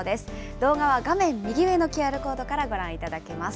動画は画面右上のＱＲコードからご覧いただけます。